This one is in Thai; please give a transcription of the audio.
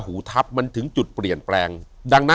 อยู่ที่แม่ศรีวิรัยิลครับ